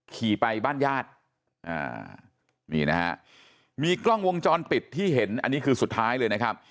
ขี่ไปบ้านญาตินี่นะฮะมีกล้องวงจรปิดที่เห็นอันนี้คือสุดท้ายเลยนะครับ